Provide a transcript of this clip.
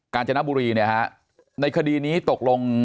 กาญจนบุรีนะครับ